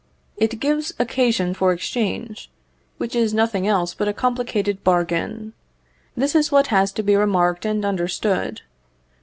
It gives occasion for exchange, which is nothing else but a complicated bargain. This is what has to be remarked and understood.